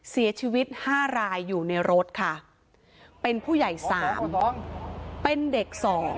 เสียชีวิต๕รายอยู่ในรถค่ะเป็นผู้ใหญ่๓เป็นเด็ก๒